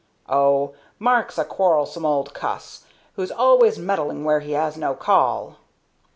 "Oh, Mark's a quarrelsome old cuss, who's always meddling where he has no call."